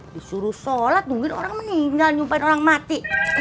disuruh sholat nungguin orang meninggal nyumpain orang mati